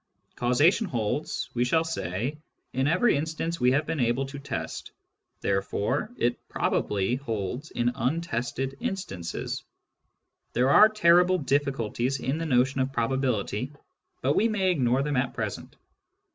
Causation holds, we shall say, in every instance we have been able to test ; therefore it probably holds in untested instances. There are terrible difficulties in the notion of probability, but we may ignore them at present.